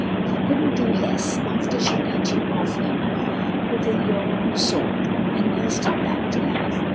He couldn't do less, after she beat you off him with your own sword and nursed him back to life.